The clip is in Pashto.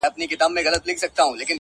زلمو به زړونه ښکلیو نجونو ته وړیا ورکول؛